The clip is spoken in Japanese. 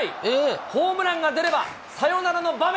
ホームランが出ればサヨナラの場面。